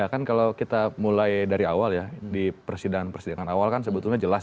ya kan kalau kita mulai dari awal ya di persidangan persidangan awal kan sebetulnya jelas